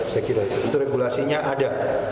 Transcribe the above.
saya kira itu regulasinya ada